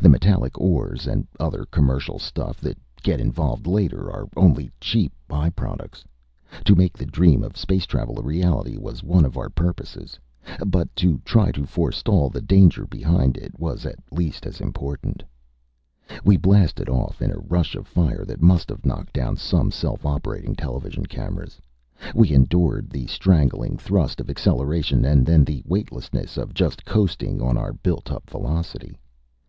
The metallic ores and other commercial stuff that get involved later are only cheap by products. To make the dream of space travel a reality was one of our purposes. But to try to forestall the danger behind it was at least as important. We blasted off in a rush of fire that must have knocked down some self operating television cameras. We endured the strangling thrust of acceleration, and then the weightlessness of just coasting on our built up velocity.